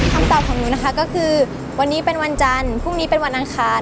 คำตอบของหนูนะคะก็คือวันนี้เป็นวันจันทร์พรุ่งนี้เป็นวันอังคาร